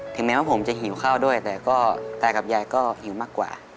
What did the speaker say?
แม้ว่าผมจะหิวข้าวด้วยแต่ก็ตากับยายก็หิวมากกว่า